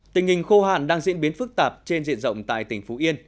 tình hình khô hạn đang diễn biến phức tạp trên diện rộng tại tỉnh phú yên